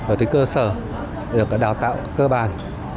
ở tuyến cơ sở được đào tạo cơ bản